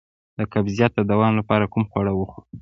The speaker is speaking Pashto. د قبضیت د دوام لپاره کوم خواړه وخورم؟